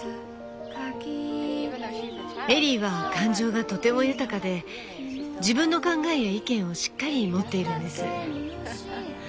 エリーは感情がとても豊かで自分の考えや意見をしっかり持っているんです。